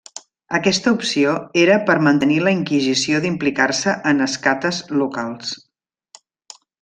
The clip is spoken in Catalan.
Aquesta opció era per mantenir la inquisició d'implicar-se en escates locals.